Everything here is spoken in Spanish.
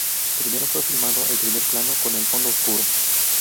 Primero, fue filmado el primer plano con el fondo oscuro.